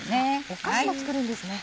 お菓子も作るんですね。